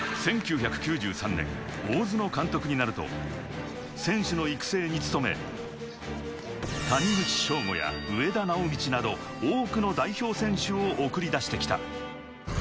１９９３年、大津の監督になると、選手の育成につとめ、谷口彰悟や植田直通など多くの代表選手を送り出して来た。